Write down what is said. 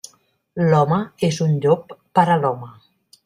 L'home és un llop per a l'home.